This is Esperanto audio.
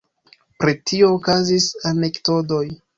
Pri tio okazis anekdotoj.